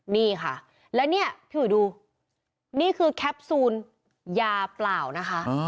นี่ค่ะแล้วเนี่ยพี่อุ๋ยดูนี่คือแคปซูลยาเปล่านะคะ